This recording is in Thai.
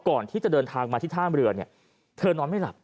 ก่อนที่จะเดินทางมาที่ท่ามเรือเนี่ยเธอนอนไม่หลับ